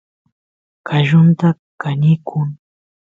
qallunta kanikun